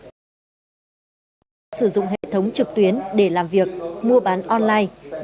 chủ tịch thành phố đã sử dụng hệ thống trực tuyến để làm việc mua bán online